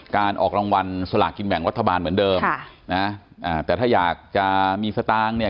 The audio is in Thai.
การออกรางวัลสลากินแบ่งรัฐบาลเหมือนเดิมค่ะนะแต่ถ้าอยากจะมีสตางค์เนี่ย